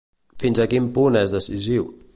Fins a quin punt és decisiu?